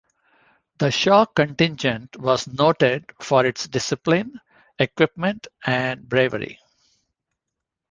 The Shaw contingent was noted for its discipline, equipment and bravery.